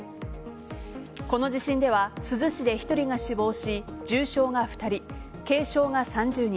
この地震では珠洲市で１人が死亡し重傷が２人、軽傷が３０人。